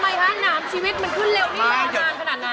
ทำไมน้ำชีวิตมันขึ้นเร็วนี้มากขนาดนี้